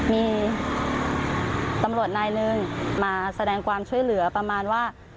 มีตำรวจนายหนึ่งมาแสดงความช่วยเหลือประมาณว่า